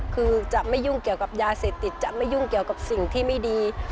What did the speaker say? คือจะไม่ยุ่งเกี่ยวกับยาเสพติดจะไม่ยุ่งเกี่ยวกับสิ่งที่ไม่ดี